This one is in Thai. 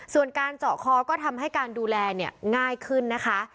ส่วนการเจาะคอก็ทำให้การดูแลเนี่ยง่ายขึ้นนะคะ